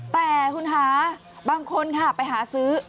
แต่คุณคะบางคนค่ะไปหาซื้อ